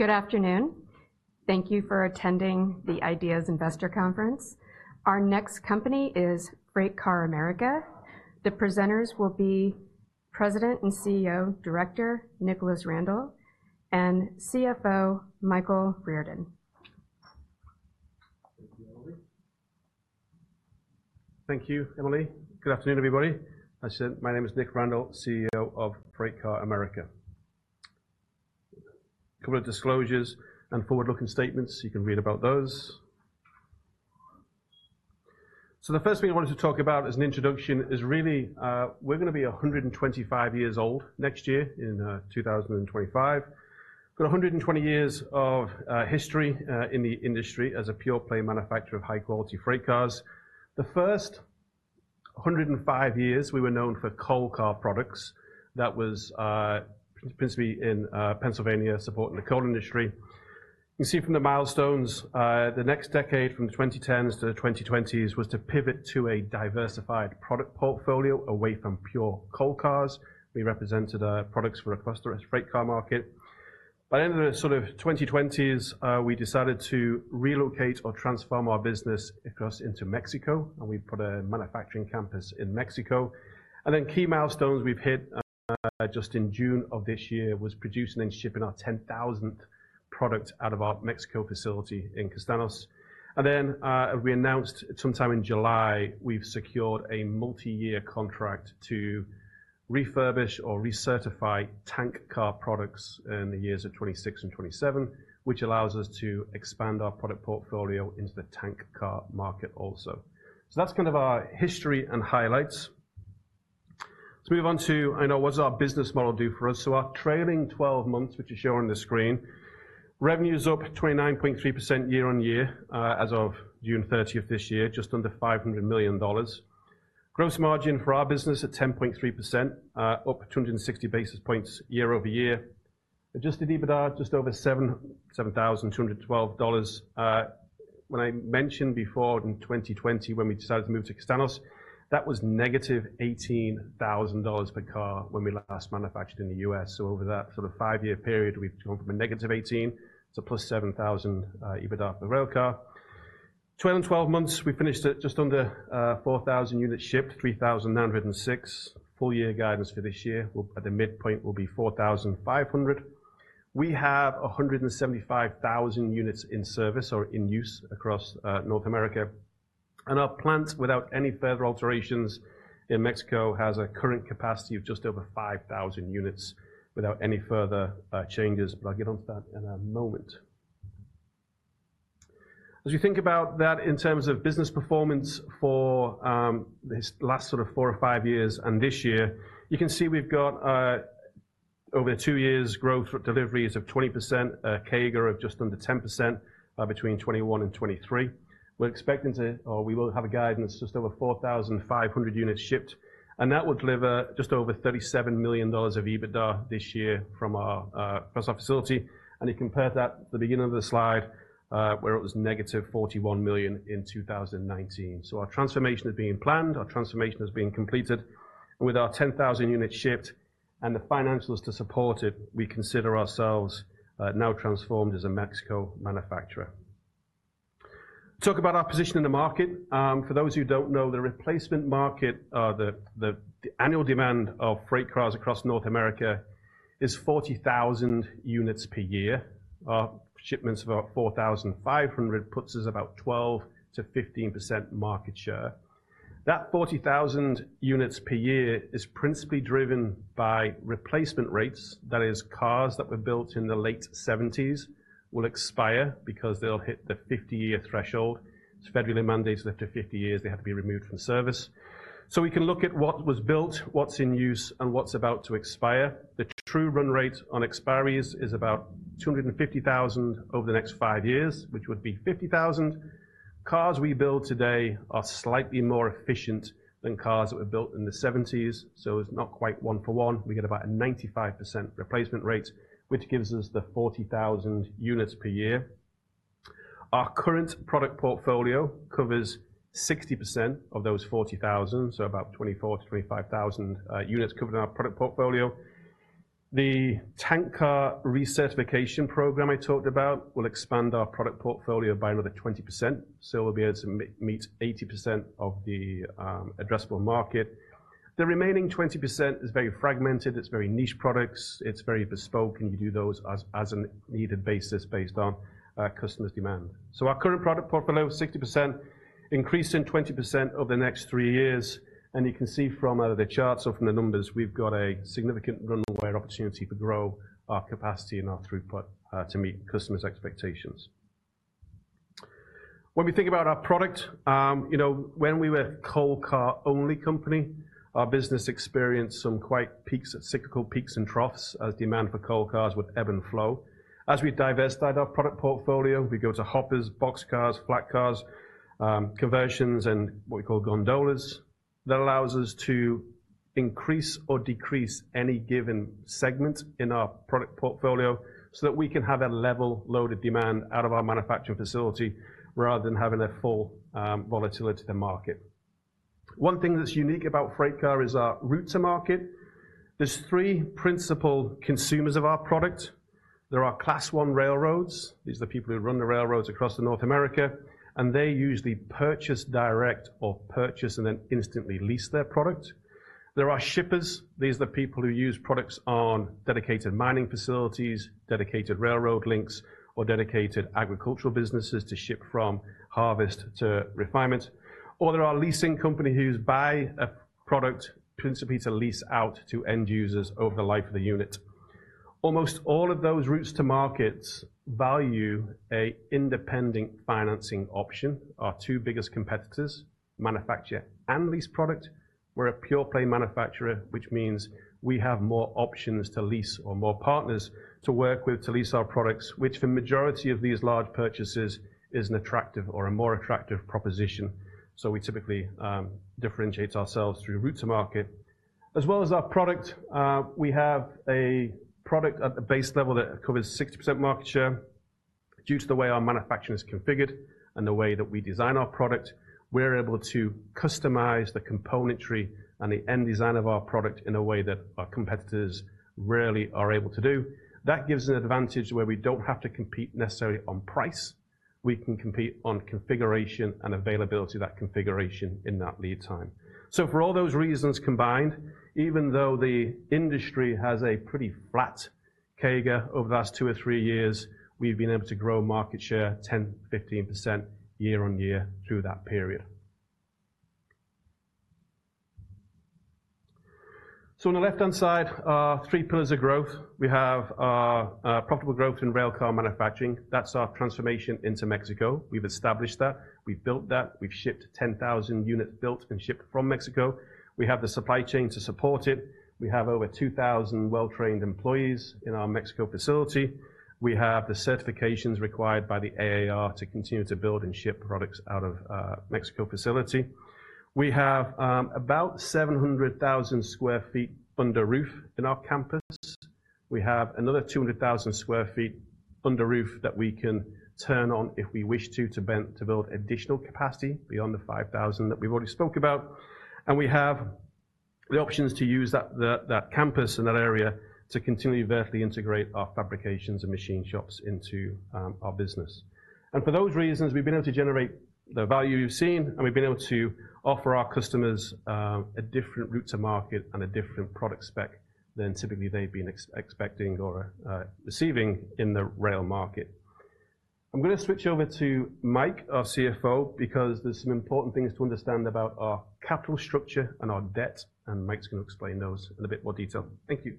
Good afternoon. Thank you for attending the IDEAS Investor Conference. Our next company is FreightCar America. The presenters will be President and CEO, Director Nicholas Randall, and CFO Michael Riordan. Thank you, Emily. Good afternoon, everybody. As said, my name is Nick Randall, CEO of FreightCar America. A couple of disclosures and forward-looking statements you can read about those, so the first thing I wanted to talk about as an introduction is really, we're going to be a hundred and twenty-five years old next year in 2025. Got a hundred and twenty years of history in the industry as a pure play manufacturer of high-quality freight cars. The first hundred and five years, we were known for coal car products. That was principally in Pennsylvania, supporting the coal industry. You can see from the milestones, the next decade, from the 2010 to the 2020s, was to pivot to a diversified product portfolio away from pure coal cars. We represented products for across the rest of the freight car market. By the end of the sort of 2020s, we decided to relocate or transform our business across into Mexico, and we put a manufacturing campus in Mexico. Key milestones we've hit just in June of this year was producing and shipping our 10,000th product out of our Mexico facility in Castaños. We announced sometime in July we've secured a multi-year contract to refurbish or recertify tank car products in the years of 2026 and 2027, which allows us to expand our product portfolio into the tank car market also. That's kind of our history and highlights. Let's move on to, I know, what does our business model do for us? So our trailing 12 months, which is shown on the screen, revenue is up 29.3% year on year, as of June thirtieth this year, just under $500 million. Gross margin for our business at 10.3%, up 260 basis points year over year. Adjusted EBITDA, just over $7,212. When I mentioned before in 2020, when we decided to move to Castaños, that was -$18,000 per car when we last manufactured in the U.S. So over that sort of five-year period, we've gone from a negative eighteen to a +7,000, EBITDA per railcar. Trailing 12 months, we finished at just under 4,000 units shipped, 3,906. Full year guidance for this year, at the midpoint, will be 4,500. We have 175,000 units in service or in use across North America, and our plants, without any further alterations in Mexico, has a current capacity of just over 5,000 units without any further changes, but I'll get on to that in a moment. As you think about that in terms of business performance for this last sort of four or five years and this year, you can see we've got over two years growth deliveries of 20%, CAGR of just under 10%, between 2021 and 2023. Or we will have a guidance just over 4,500 units shipped, and that would deliver just over $37 million of EBITDA this year from across our facility. You compare that at the beginning of the slide, where it was negative $41 million in 2019. Our transformation is being planned, our transformation is being completed, and with our 10,000 units shipped and the financials to support it, we consider ourselves now transformed as a Mexico manufacturer. Talk about our position in the market. For those who don't know, the replacement market, the annual demand of freight cars across North America is 40,000 units per year. Our shipments of about 4,500 puts us about 12% to 15% market share. That 40,000 units per year is principally driven by replacement rates. That is, cars that were built in the late 1970s will expire because they'll hit the 50-year threshold. It's federally mandated that after 50 years, they have to be removed from service. We can look at what was built, what's in use, and what's about to expire. The true run rate on expiries is about 250,000 over the next five years, which would be 50,000. Cars we build today are slightly more efficient than cars that were built in the seventies, so it's not quite one for one. We get about a 95% replacement rate, which gives us the 40,000 units per year. Our current product portfolio covers 60% of those 40,000, so about 24,000-25,000 units covered in our product portfolio. The tank car retrofit program I talked about will expand our product portfolio by another 20%, so we'll be able to meet 80% of the addressable market. The remaining 20% is very fragmented. It's very niche products, it's very bespoke, and you do those as an as-needed basis based on our customers' demand. So our current product portfolio, 60%, increasing 20% over the next three years, and you can see from the charts or from the numbers, we've got a significant runway or opportunity to grow our capacity and our throughput to meet customers' expectations. When we think about our product, you know, when we were a coal car only company, our business experienced some quite peaks, cyclical peaks and troughs as demand for coal cars would ebb and flow. As we diversified our product portfolio, we go to hoppers, boxcars, flat cars, conversions, and what we call gondolas. That allows us to increase or decrease any given segment in our product portfolio so that we can have a level load of demand out of our manufacturing facility, rather than having a full volatility to the market. One thing that's unique about FreightCar is our route to market. There's three principal consumers of our product. There are Class I railroads. These are the people who run the railroads across North America, and they usually purchase direct or purchase and then instantly lease their product. There are shippers. These are the people who use products on dedicated mining facilities, dedicated railroad links, or dedicated agricultural businesses to ship from harvest to refinement. Or there are leasing companies who buy a product principally to lease out to end users over the life of the unit. Almost all of those routes to market value an independent financing option. Our two biggest competitors manufacture and lease product. We're a pure play manufacturer, which means we have more options to lease or more partners to work with to lease our products, which for majority of these large purchases, is an attractive or a more attractive proposition. So we typically differentiate ourselves through route to market as well as our product. We have a product at the base level that covers 60% market share. Due to the way our manufacturing is configured and the way that we design our product, we're able to customize the componentry and the end design of our product in a way that our competitors rarely are able to do. That gives an advantage where we don't have to compete necessarily on price. We can compete on configuration and availability of that configuration in that lead time. So for all those reasons combined, even though the industry has a pretty flat CAGR over the last two or three years, we've been able to grow market share 10-15% year on year through that period. So on the left-hand side are three pillars of growth. We have our profitable growth in railcar manufacturing. That's our transformation into Mexico. We've established that. We've built that. We've shipped 10,000 units built and shipped from Mexico. We have the supply chain to support it. We have over 2,000 well-trained employees in our Mexico facility. We have the certifications required by the AAR to continue to build and ship products out of Mexico facility. We have about 700,000 sq ft under roof in our campus. We have another 200,000 sq ft under roof that we can turn on if we wish to, to build additional capacity beyond the 5,000 that we've already spoken about. We have the options to use that campus and that area to continually vertically integrate our fabrications and machine shops into our business. For those reasons, we've been able to generate the value you've seen, and we've been able to offer our customers a different route to market and a different product spec than typically they've been expecting or receiving in the rail market. I'm gonna switch over to Mike, our CFO, because there's some important things to understand about our capital structure and our debt, and Mike's gonna explain those in a bit more detail. Thank you.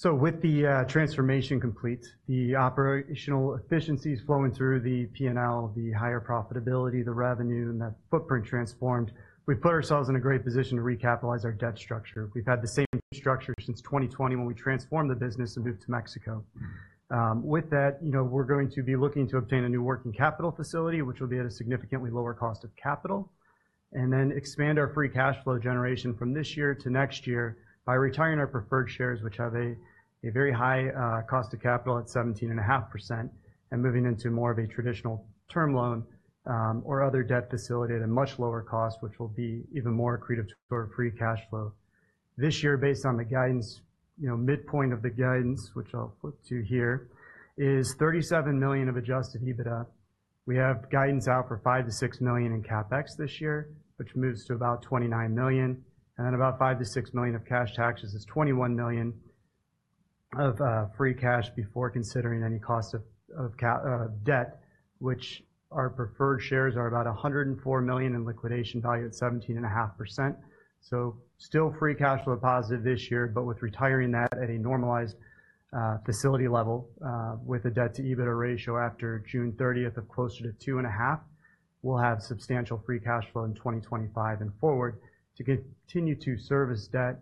So with the transformation complete, the operational efficiencies flowing through the P&L, the higher profitability, the revenue, and that footprint transformed, we've put ourselves in a great position to recapitalize our debt structure. We've had the same structure since 2020, when we transformed the business and moved to Mexico. With that, you know, we're going to be looking to obtain a new working capital facility, which will be at a significantly lower cost of capital, and then expand our free cash flow generation from this year to next year by retiring our preferred shares, which have a very high cost of capital at 17.5%, and moving into more of a traditional term loan or other debt facility at a much lower cost, which will be even more accretive to our free cash flow. This year, based on the guidance, you know, midpoint of the guidance, which I'll flip to here, is $37 million of adjusted EBITDA. We have guidance out for $5-$6 million in CapEx this year, which moves to about $29 million, and then about $5-$6 million of cash taxes is $21 million of free cash before considering any cost of debt, which our preferred shares are about $104 million in liquidation value at 17.5%. So still free cash flow positive this year, but with retiring that at a normalized facility level with a debt to EBITDA ratio after June thirtieth of closer to 2.5, we'll have substantial free cash flow in 2025 and forward to continue to service debt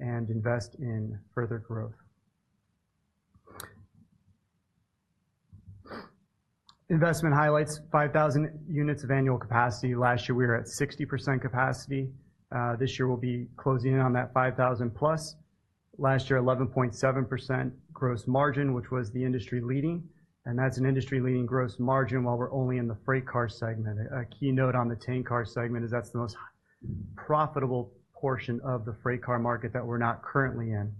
and invest in further growth. Investment highlights, 5,000 units of annual capacity. Last year, we were at 60% capacity. This year, we'll be closing in on that 5,000 plus. Last year, 11.7% gross margin, which was the industry leading, and that's an industry-leading gross margin while we're only in the freight car segment. A key note on the tank car segment is that's the most profitable portion of the freight car market that we're not currently in.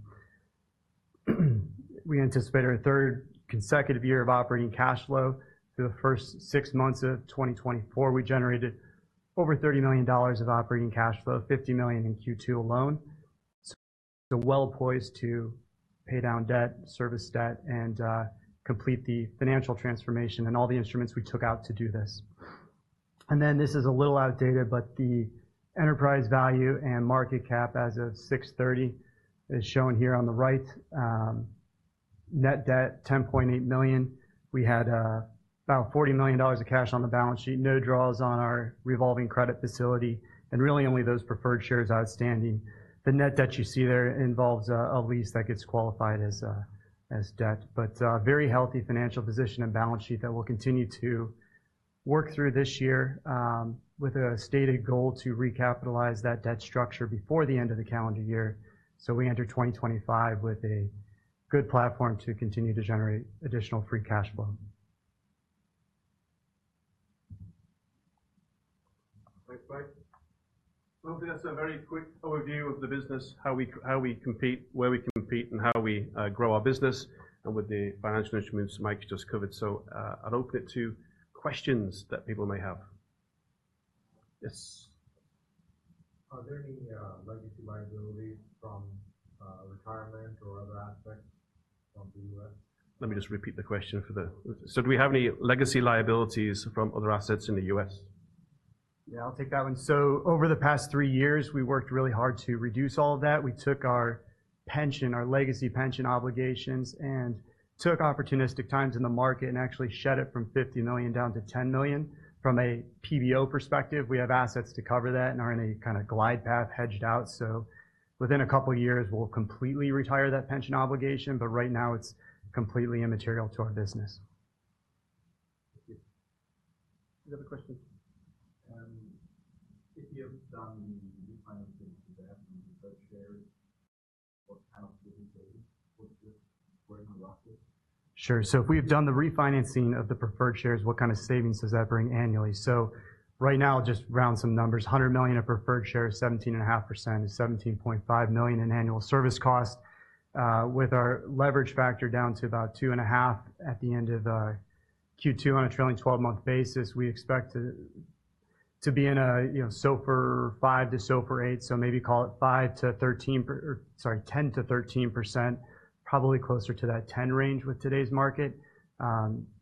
We anticipate our third consecutive year of operating cash flow. Through the first six months of 2024, we generated over $30 million of operating cash flow, $50 million in Q2 alone, so well-poised to pay down debt, service debt, and complete the financial transformation and all the instruments we took out to do this. This is a little outdated, but the enterprise value and market cap as of 6:30 is shown here on the right. Net debt, $10.8 million. We had about $40 million of cash on the balance sheet, no draws on our revolving credit facility, and really only those preferred shares outstanding. The net debt you see there involves a lease that gets qualified as debt, but very healthy financial position and balance sheet that we'll continue to work through this year, with a stated goal to recapitalize that debt structure before the end of the calendar year. We enter 2025 with a good platform to continue to generate additional free cash flow. Great, Mike. That's a very quick overview of the business, how we compete, where we compete, and how we grow our business, and with the financial instruments Mike just covered. So, I'll open it to questions that people may have. Yes? Are there any legacy liabilities from retirement or other aspects from the U.S.? Let me just repeat the question, so do we have any legacy liabilities from other assets in the U.S.? Yeah, I'll take that one, so over the past three years, we worked really hard to reduce all of that. We took our pension, our legacy pension obligations, and took opportunistic times in the market and actually shed it from $50 million down to $10 million. From a PBO perspective, we have assets to cover that and are in a kind of glide path hedged out, so within a couple of years, we'll completely retire that pension obligation, but right now it's completely immaterial to our business. Thank you. Any other question? If you've done refinancing, does that include shares? What kind of savings would you bring on roughly? Sure. So if we've done the refinancing of the preferred shares, what kind of savings does that bring annually? So right now, just round some numbers, 100 million of preferred shares, 17.5% is $17.5 million in annual service cost. With our leverage factor down to about 2.5 at the end of our Q2 on a trailing 12-month basis, we expect to be in a SOFR five to SOFR eight, so maybe call it five to thirteen, ten to thirteen percent, probably closer to that ten range with today's market.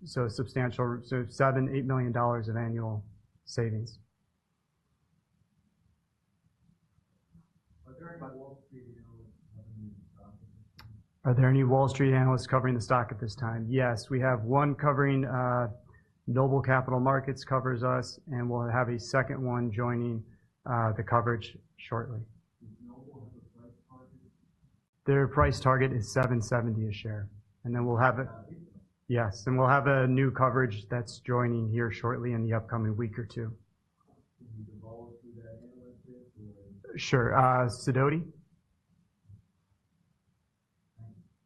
So substantial, so $7-$8 million of annual savings. Are there any Wall Street analysts covering the stock at this time? Are there any Wall Street analysts covering the stock at this time? Yes, we have one covering, Noble Capital Markets covers us, and we'll have a second one joining, the coverage shortly. Does Noble have a price target? Their price target is $7.70 a share, and then, yes, we'll have a new coverage that's joining here shortly in the upcoming week or two. Can you divulge who that analyst is or? Sure. Sidoti. Thank you.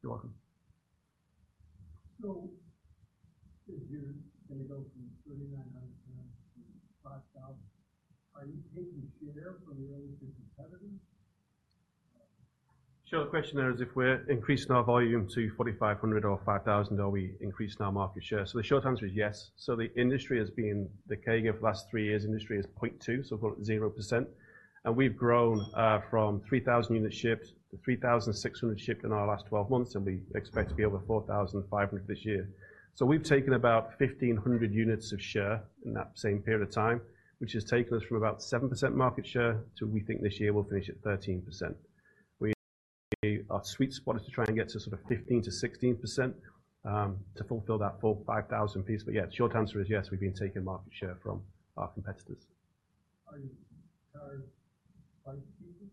You're welcome. So if you're going to go from 3,900-5,000, are you taking share from your other competitors? Sure. The question there is, if we're increasing our volume to 4,500-5,000, are we increasing our market share? So the short answer is yes. So the industry has been declining for the last three years. Industry is 0.2, so call it 0%. And we've grown from 3,000 units shipped to 3,600 shipped in our last 12 months, and we expect to be over 4,500 this year. So we've taken about 1,500 units of share in that same period of time, which has taken us from about 7% market share to, we think this year we'll finish at 13%. Our sweet spot is to try and get to sort of 15%-16%, to fulfill that full 5,000-piece. But yeah, short answer is yes, we've been taking market share from our competitors. Are you our presenters?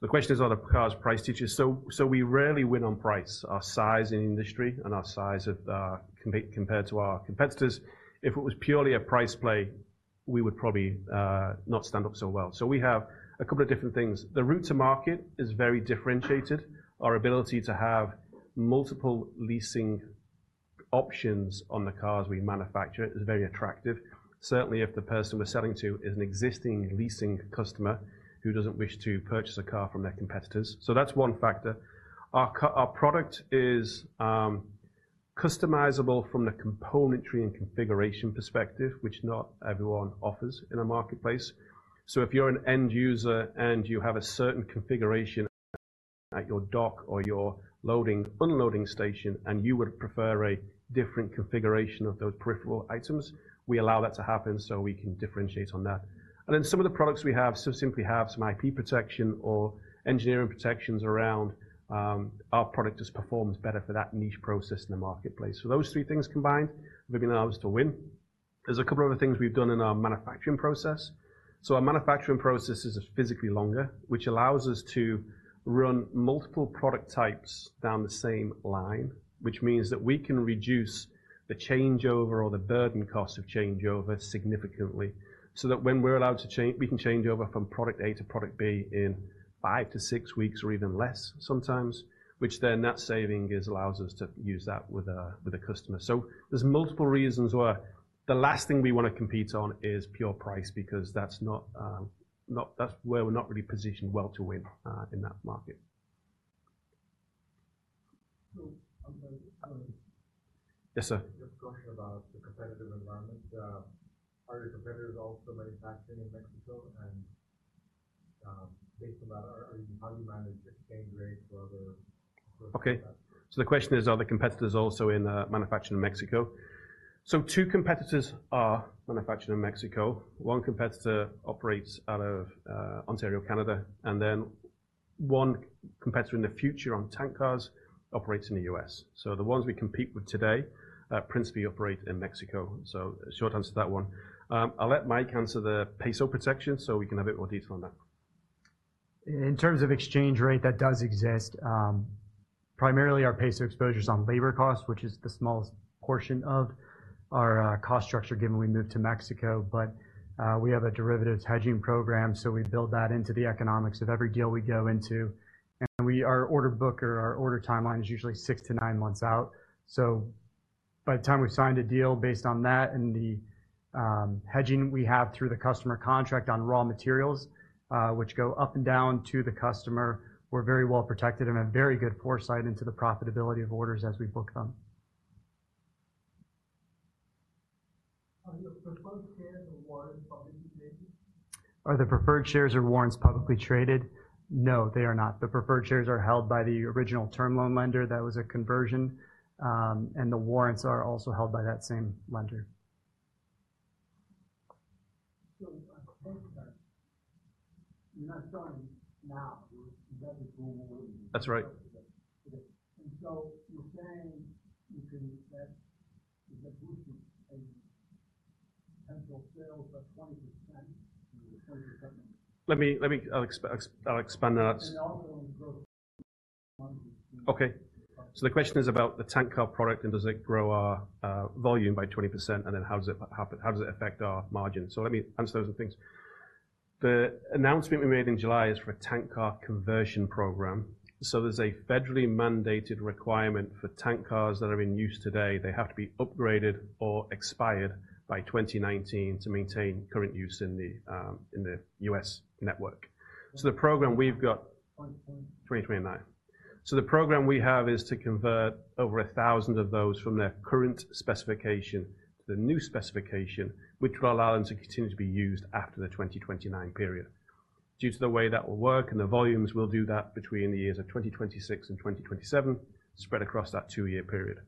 The question is, are the cars price takers? So we rarely win on price. Our size in the industry and our size, compared to our competitors, if it was purely a price play, we would probably not stand up so well. So we have a couple of different things. The route to market is very differentiated. Our ability to have multiple leasing options on the cars we manufacture is very attractive, certainly if the person we're selling to is an existing leasing customer who doesn't wish to purchase a car from their competitors. So that's one factor. Our product is customizable from the componentry and configuration perspective, which not everyone offers in a marketplace. So if you're an end user and you have a certain configuration at your dock or your loading, unloading station, and you would prefer a different configuration of those peripheral items, we allow that to happen, so we can differentiate on that. And then some of the products we have simply have some IP protection or engineering protections around, our product just performs better for that niche process in the marketplace. So those three things combined, we're going to allow us to win. There's a couple other things we've done in our manufacturing process. So our manufacturing process is physically longer, which allows us to run multiple product types down the same line, which means that we can reduce the changeover or the burden cost of changeover significantly, so that when we're allowed to change, we can change over from product A to product B in five to six weeks or even less sometimes, which then that saving allows us to use that with a customer. So there's multiple reasons why the last thing we want to compete on is pure price, because that's where we're not really positioned well to win in that market. So, um, um- Yes, sir. Just a question about the competitive environment. Are your competitors also manufacturing in Mexico? And, based on that, are you, how do you manage exchange rates or other- Okay, so the question is, are the competitors also in manufacturing in Mexico? So two competitors are manufacturing in Mexico. One competitor operates out of Ontario, Canada, and then one competitor in the future on tank cars operates in the US. So the ones we compete with today principally operate in Mexico. So short answer to that one. I'll let Mike answer the peso protection, so we can have a bit more detail on that. In terms of exchange rate, that does exist. Primarily, our peso exposure is on labor costs, which is the smallest portion of our cost structure, given we moved to Mexico. But, we have a derivatives hedging program, so we build that into the economics of every deal we go into. And our order book or our order timeline is usually six to nine months out. By the time we've signed a deal based on that and the hedging we have through the customer contract on raw materials, which go up and down to the customer, we're very well protected and have very good foresight into the profitability of orders as we book them. Are your preferred shares or warrants publicly traded? Are the preferred shares or warrants publicly traded? No, they are not. The preferred shares are held by the original term loan lender. That was a conversion, and the warrants are also held by that same lender. So I think that you're not starting now, you've got to go over it. That's right. And so you're saying you can, that the boost in potential sales are 20% in the current government? Let me. I'll expand on that. Ongoing growth. Okay. So the question is about the tank car product, and does it grow our volume by 20%, and then how does it, how, how does it affect our margin? So let me answer those two things. The announcement we made in July is for a tank car conversion program. So there's a federally mandated requirement for tank cars that are in use today. They have to be upgraded or expired by 2019 to maintain current use in the U.S. network. So the program we've got- Twenty twenty-nine. 2029. So the program we have is to convert over a thousand of those from their current specification to the new specification, which will allow them to continue to be used after the 2029 period. Due to the way that will work, and the volumes will do that between the years of 2026 and 2027, spread across that two-year period.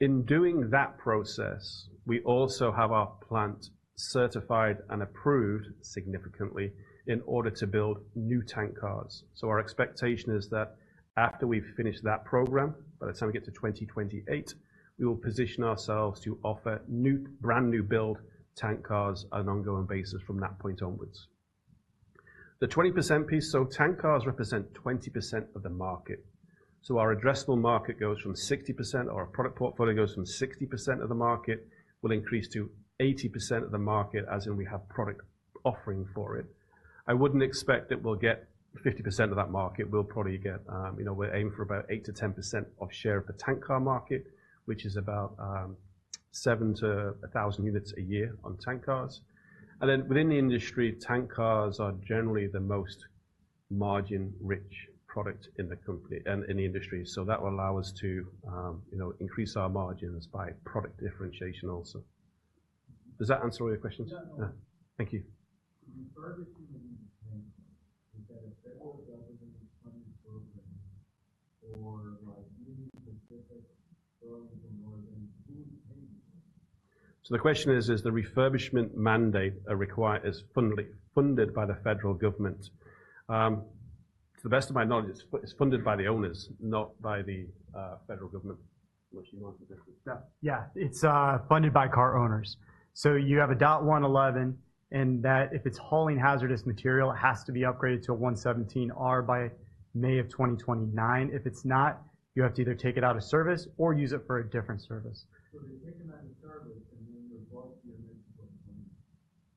In doing that process, we also have our plant certified and approved significantly in order to build new tank cars. So our expectation is that after we've finished that program, by the time we get to 2028, we will position ourselves to offer brand new build tank cars on an ongoing basis from that point onwards. The 20% piece, so tank cars represent 20% of the market. So our addressable market goes from 60%, or our product portfolio goes from 60% of the market, will increase to 80% of the market, as in, we have product offering for it. I wouldn't expect that we'll get 50% of that market. We'll probably get, you know, we're aiming for about 8%-10% share of the tank car market, which is about 700-1,000 units a year on tank cars. And then within the industry, tank cars are generally the most margin-rich product in the company and in the industry. So that will allow us to, you know, increase our margins by product differentiation also. Does that answer all your questions? Yeah. Thank you. Refurbishing the tank, is that a federal government-funded program or a specific from the northern? Who pays? The question is: Is the refurbishment mandate? Is funding funded by the federal government? To the best of my knowledge, it's funded by the owners, not by the federal government. Unless you want to differ? Yeah. Yeah, it's funded by car owners. So you have a DOT-111, and that if it's hauling hazardous material, it has to be upgraded to a DOT-117R by May of 2029. If it's not, you have to either take it out of service or use it for a different service. So they take them out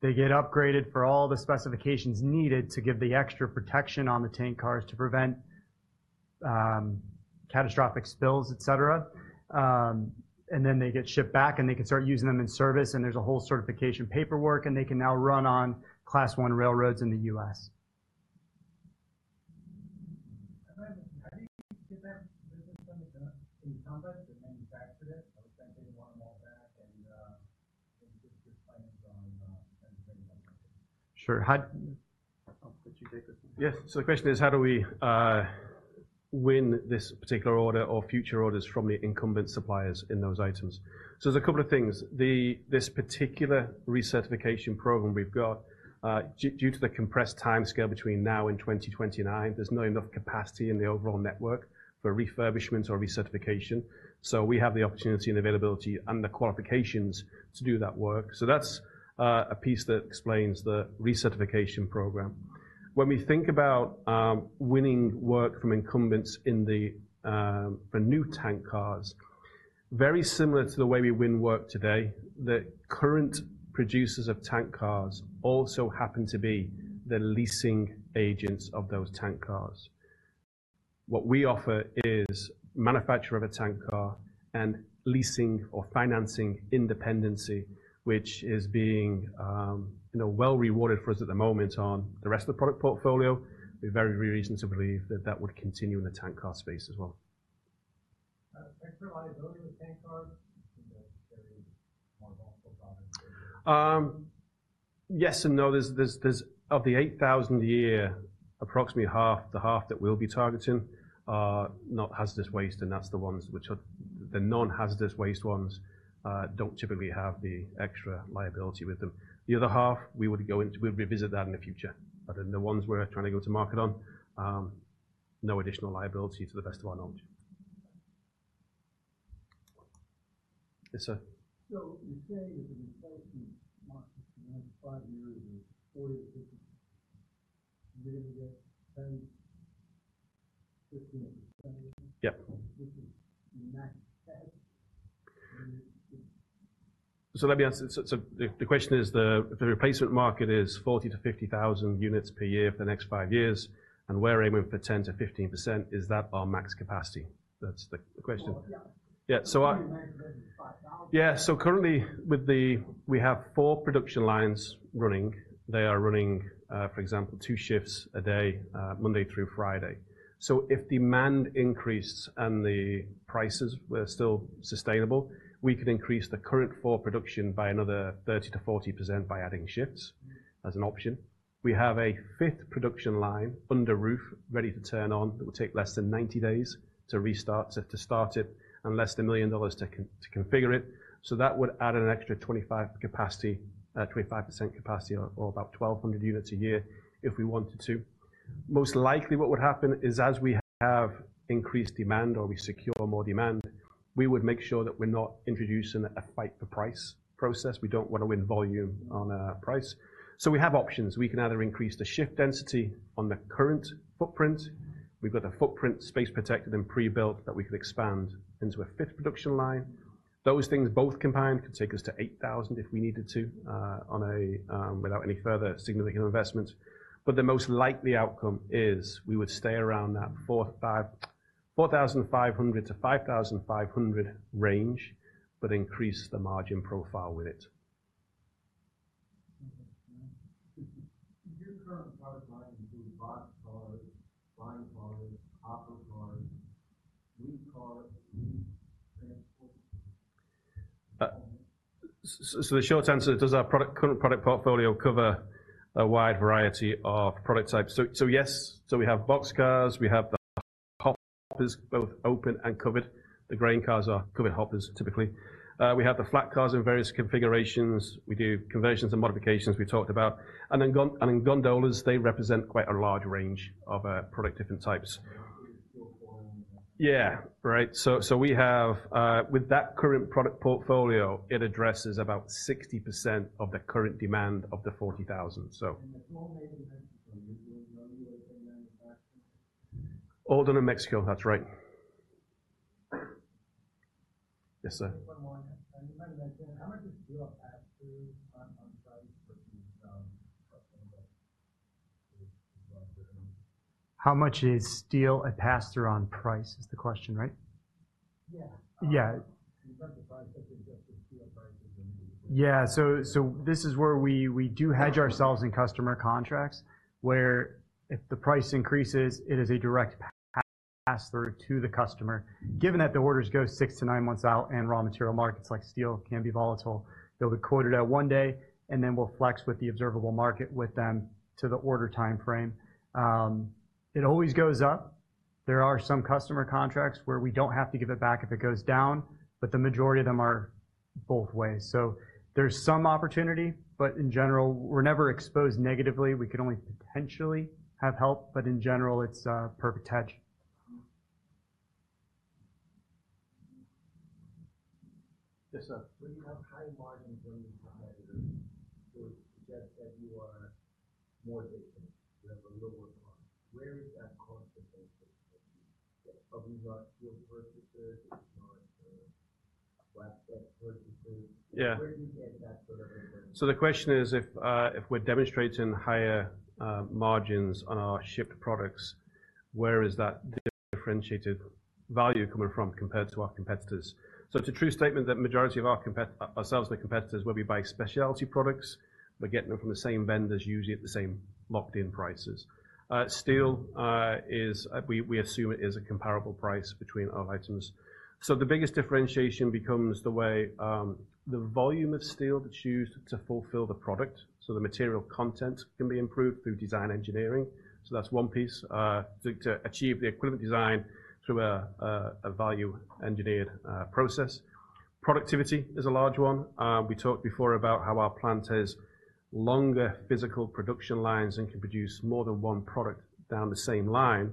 of service, and then they both get additional money. They get upgraded for all the specifications needed to give the extra protection on the tank cars to prevent catastrophic spills, et cetera, and then they get shipped back, and they can start using them in service, and there's a whole certification paperwork, and they can now run on Class I railroads in the U.S. How do you get that business from the incumbent that manufactured it, sending one more back and, just explain on, sending them back? Sure. How- Could you take this one? Yes. So the question is: How do we win this particular order or future orders from the incumbent suppliers in those items? So there's a couple of things. The, this particular recertification program we've got, due to the compressed timescale between now and 2029, there's not enough capacity in the overall network for refurbishment or recertification. So we have the opportunity and availability and the qualifications to do that work. So that's, a piece that explains the recertification program. When we think about, winning work from incumbents in the, the new tank cars, very similar to the way we win work today, the current producers of tank cars also happen to be the leasing agents of those tank cars. What we offer is manufacture of a tank car and leasing or financing independence, which is being, you know, well rewarded for us at the moment on the rest of the product portfolio. We have every reason to believe that that would continue in the tank car space as well. Extra liability with tank cars, that is more volatile product? Yes and no. Of the 8,000 a year, approximately half, the half that we'll be targeting, are not hazardous waste, and that's the ones which are the non-hazardous waste ones, don't typically have the extra liability with them. The other half, we would go into. We'll revisit that in the future, but then the ones we're trying to go to market on, no additional liability to the best of our knowledge. Yes, sir. So you're saying that the replacement market in the next five years is 40 or 50, and you're going to get 10, 15, 20? Yeah. Which is max 10?... So let me answer. The question is, the replacement market is 40-50,000 units per year for the next five years, and we're aiming for 10%-15%. Is that our max capacity? That's the question. Well, yeah. Yeah. So I- 5,000. Yeah. So currently, with the, we have four production lines running. They are running, for example, two shifts a day, Monday through Friday. So if demand increases and the prices were still sustainable, we could increase the current four production by another 30%-40% by adding shifts as an option. We have a fifth production line under roof, ready to turn on. It will take less than 90 days to restart it, and less than $1 million to configure it. So that would add an extra 25 capacity, 25% capacity, or about 1,200 units a year, if we wanted to. Most likely, what would happen is, as we have increased demand or we secure more demand, we would make sure that we're not introducing a fight for price process. We don't want to win volume on price. We have options. We can either increase the shift density on the current footprint. We've got a footprint, space protected and pre-built, that we could expand into a fifth production line. Those things, both combined, could take us to 8,000 if we needed to without any further significant investment. The most likely outcome is we would stay around that 4,500-5,500 range, but increase the margin profile with it. Your current product line includes boxcars, spine cars, hopper cars, wheat cars, and transport- So the short answer, does our product current product portfolio cover a wide variety of product types? So yes. So we have boxcars, we have the hoppers, both open and covered. The grain cars are covered hoppers, typically. We have the flat cars in various configurations. We do conversions and modifications we talked about, and then gondolas, they represent quite a large range of product different types. Four hundred and four. Yeah. Right. So, we have, with that current product portfolio, it addresses about 60% of the current demand of the 40,000, so. The former may depend on manufacturing? Gunderson, in Mexico. That's right. Yes, sir. One more. And you might mention how much does steel pass through on price for the. How much is steel a pass-through on price, is the question, right? Yeah. Yeah. In terms of price, I think just the steel price is going to be. Yeah. So this is where we do hedge ourselves in customer contracts, where if the price increases, it is a direct pass-through to the customer. Given that the orders go six to nine months out and raw material markets like steel can be volatile, they'll be quoted at one day, and then we'll flex with the observable market with them to the order time frame. It always goes up. There are some customer contracts where we don't have to give it back if it goes down, but the majority of them are both ways. So there's some opportunity, but in general, we're never exposed negatively. We can only potentially have help, but in general, it's perfect hedge. Yes, sir. When you have high margins on the higher, so suggest that you are more efficient, you have a lower cost. Where is that cost efficient? It's probably not your purchases. It's not flat purchases. Yeah. Where do you get that sort of information? The question is, if we're demonstrating higher margins on our shipped products, where is that differentiated value coming from compared to our competitors? It's a true statement that majority of our competitors, ourselves, the competitors, where we buy specialty products, we're getting them from the same vendors, usually at the same locked-in prices. Steel, we assume it is a comparable price between our items. The biggest differentiation becomes the way, the volume of steel that's used to fulfill the product, so the material content can be improved through design engineering. That's one piece to achieve the equivalent design through a value-engineered process. Productivity is a large one. We talked before about how our plant has longer physical production lines and can produce more than one product down the same line,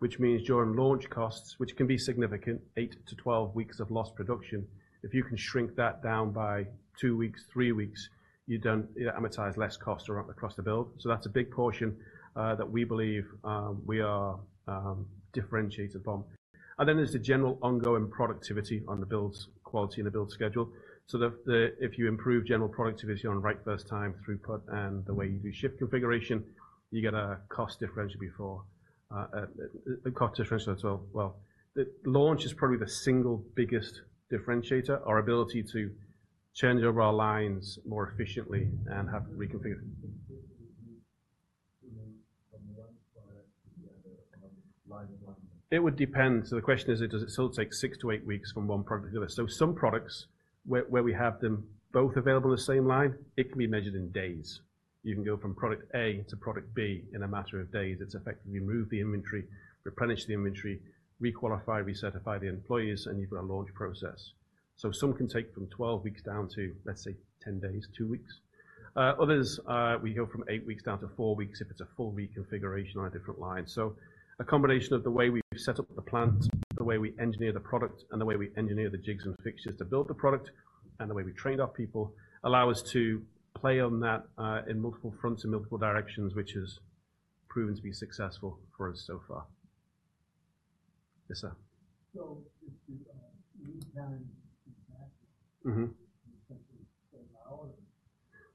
which means during launch costs, which can be significant, eight to 12 weeks of lost production. If you can shrink that down by two weeks, three weeks, you don't... You amortize less cost around across the build. So that's a big portion, that we believe we are differentiated from. And then there's the general ongoing productivity on the build's quality and the build schedule, so that if you improve general productivity on right first time throughput and the way you do shift configuration, you get a cost differentiated before, a cost differentiator as well. The launch is probably the single biggest differentiator. Our ability to change over our lines more efficiently and have reconfigured. From one product to the other on line one. It would depend. So the question is: Does it still take six to eight weeks from one product to the other? So some products, where we have them both available on the same line, it can be measured in days. You can go from product A to product B in a matter of days. It's effectively move the inventory, replenish the inventory, re-qualify, recertify the employees, and you've got a launch process. So some can take from 12 weeks down to, let's say, ten days, two weeks. Others, we go from eight weeks down to four weeks if it's a full reconfiguration on a different line. So a combination of the way we've set up the plants, the way we engineer the product, and the way we engineer the jigs and fixtures to build the product, and the way we train our people, allow us to play on that, in multiple fronts, in multiple directions, which has proven to be successful for us so far. Yes, sir. So if the lead time is backlogged- Mm-hmm. Essentially allow it.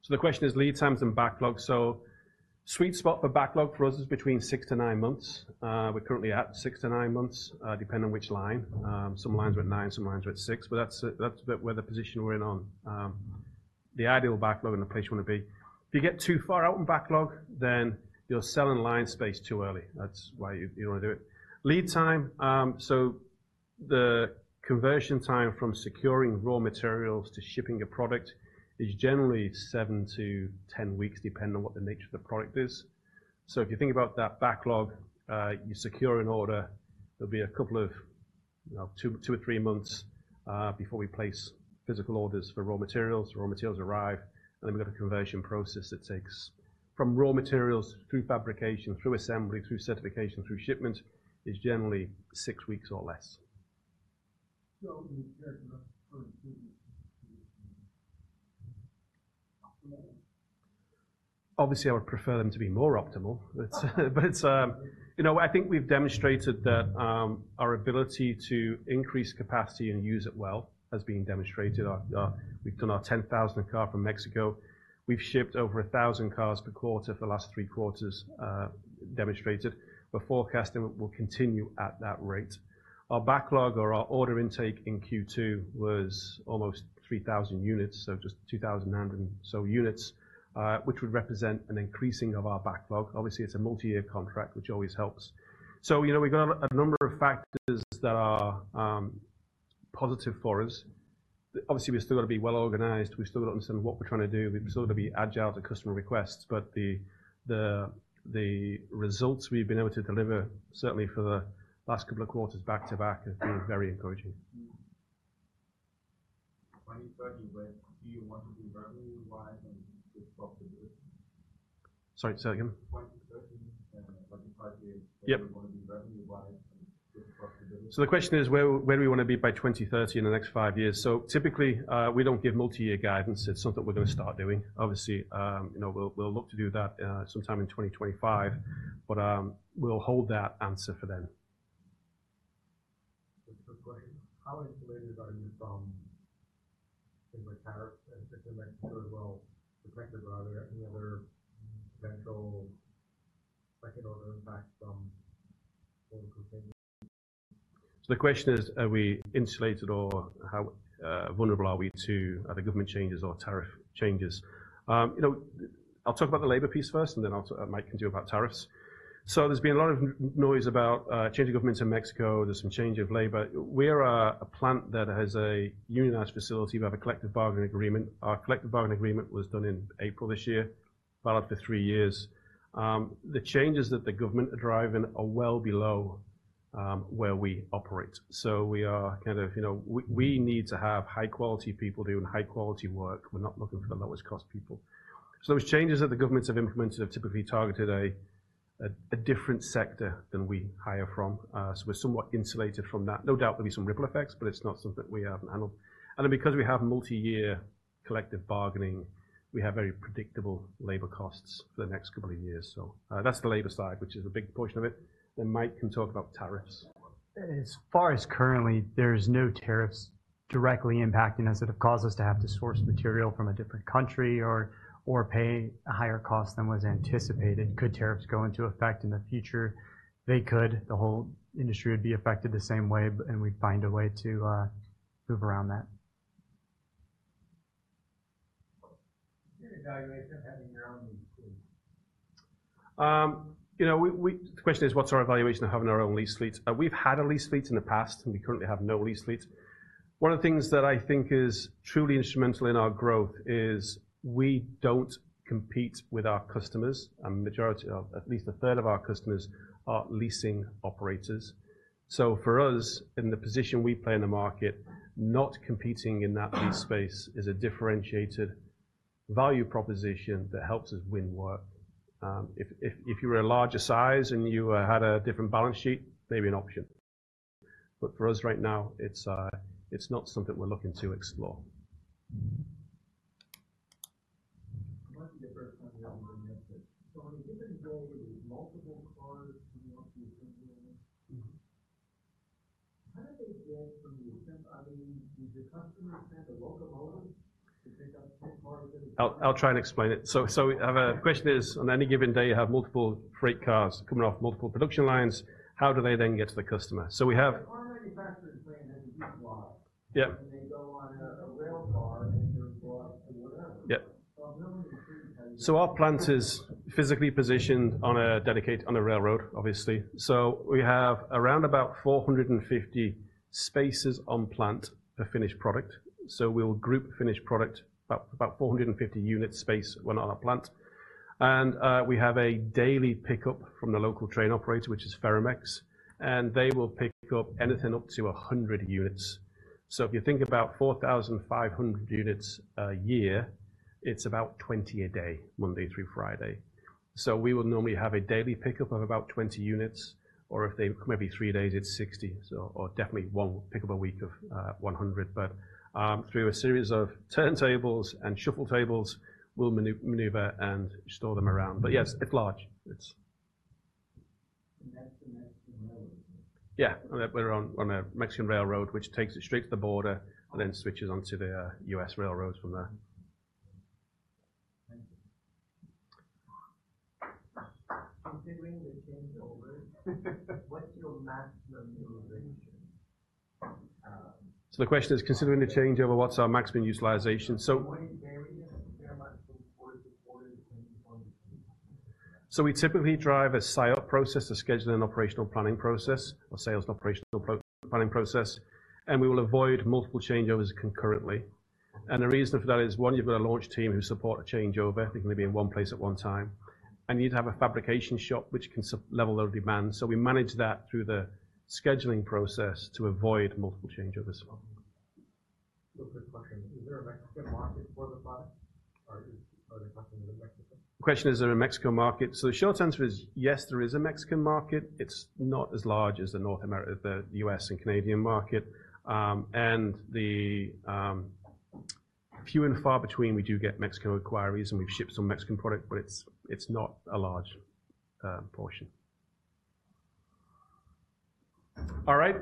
The question is lead times and backlogs. Sweet spot for backlog for us is between six to nine months. We're currently at six to nine months, depending on which line. Some lines are at nine, some lines are at six, but that's, that's where the position we're in on. The ideal backlog and the place you wanna be. If you get too far out in backlog, then you're selling line space too early. That's why you don't wanna do it. Lead time, so the conversion time from securing raw materials to shipping a product is generally seven to ten weeks, depending on what the nature of the product is. So if you think about that backlog, you secure an order, there'll be a couple of, you know, two to three months before we place physical orders for raw materials. Raw materials arrive, and then we've got a conversion process that takes from raw materials through fabrication, through assembly, through certification, through shipment is generally six weeks or less. There's enough current optimal? Obviously, I would prefer them to be more optimal, but it's... You know, I think we've demonstrated that our ability to increase capacity and use it well has been demonstrated. We've done our 10,000th car from Mexico. We've shipped over 1,000 cars per quarter for the last three quarters, demonstrated. We're forecasting it will continue at that rate. Our backlog or our order intake in Q2 was almost 3,000 units, so just 2,000 and so units, which would represent an increasing of our backlog. Obviously, it's a multi-year contract, which always helps, so you know, we've got a number of factors that are positive for us. Obviously, we've still got to be well organized. We've still got to understand what we're trying to do. We've still got to be agile to customer requests, but the results we've been able to deliver, certainly for the last couple of quarters back-to-back, have been very encouraging. Twenty thirty, where do you want to be revenue wise and profitability? Sorry, say again? 2030, like in five years- Yep. Where do you want to be revenue wise and profitability? The question is, where do we wanna be by 2030, in the next five years? Typically, we don't give multi-year guidance. It's something we're gonna start doing. Obviously, you know, we'll look to do that sometime in 2025, but we'll hold that answer for then. Just a quick question. How insulated are you from things like tariffs and things like that, as well, effective, rather, any other potential second order impact from all the things? So the question is, are we insulated or how vulnerable are we to other government changes or tariff changes? You know, I'll talk about the labor piece first, and then I'll Mike can do about tariffs. There's been a lot of noise about change of governments in Mexico. There's some change of labor. We are a plant that has a unionized facility. We have a collective bargaining agreement. Our collective bargaining agreement was done in April this year, valid for three years. The changes that the government are driving are well below where we operate. So we are kind of, you know, we need to have high-quality people doing high-quality work. We're not looking for the lowest cost people. So those changes that the governments have implemented have typically targeted a different sector than we hire from. So we're somewhat insulated from that. No doubt, there'll be some ripple effects, but it's not something we haven't handled. And then, because we have multi-year collective bargaining, we have very predictable labor costs for the next couple of years. So, that's the labor side, which is a big portion of it. Then Mike can talk about tariffs. As far as currently, there's no tariffs directly impacting us that have caused us to have to source material from a different country or pay a higher cost than was anticipated. Could tariffs go into effect in the future? They could. The whole industry would be affected the same way, but and we'd find a way to move around that. What's your evaluation of having your own lease fleet? You know, the question is, what's our evaluation of having our own lease fleet? We've had a lease fleet in the past, and we currently have no lease fleet. One of the things that I think is truly instrumental in our growth is we don't compete with our customers, and majority of, at least a third of our customers are leasing operators. So for us, in the position we play in the market, not competing in that lease space is a differentiated value proposition that helps us win work. If you were a larger size and you had a different balance sheet, maybe an option. But for us right now, it's not something we're looking to explore. Might be the first time you ever heard this. So on a given day, there's multiple cars coming off the assembly line. Mm-hmm. How do they get from the assembly? I mean, do the customer send a locomotive to pick up 10 cars at a time? I'll try and explain it. So question is, on any given day, you have multiple freight cars coming off multiple production lines. How do they then get to the customer? So we have- The car manufacturer brings in a huge lot. Yep. They go on a rail car, and they're brought to wherever. Yep. So really- Our plant is physically positioned on a dedicated, on a railroad, obviously. We have around about 450 spaces on plant for finished product. We'll group finished product about 450 units space on our plant. And we have a daily pickup from the local train operator, which is Ferromex, and they will pick up anything up to 100 units. If you think about 4,500 units a year, it's about 20 a day, Monday through Friday. We will normally have a daily pickup of about 20 units, or if they maybe three days, it's 60, or definitely one pickup a week of 100. But through a series of turntables and shuffle tables, we'll maneuver and store them around. But yes, it's large. It's- That's the Mexican railroad? Yeah. We're on a Mexican railroad, which takes it straight to the border and then switches onto the U.S. railroads from there. Thank you. Considering the changeovers, what's your maximum utilization? So the question is, considering the changeover, what's our maximum utilization? Will it vary very much from quarter to quarter in 2022? We typically drive a SIOP process, a scheduling operational planning process, or sales and operational planning process, and we will avoid multiple changeovers concurrently. The reason for that is, one, you've got a large team who support a changeover. They're gonna be in one place at one time, and you'd have a fabrication shop, which can level the demand. We manage that through the scheduling process to avoid multiple changeovers as well. Real quick question: Is there a Mexican market for the product, or are there customers in Mexico? The question, is there a Mexico market? So the short answer is yes, there is a Mexican market. It's not as large as the North America, the US and Canadian market. And few and far between, we do get Mexican inquiries, and we've shipped some Mexican product, but it's not a large portion. All right.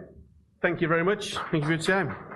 Thank you very much. Thank you for your time.